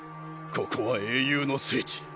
ここは英雄の聖地。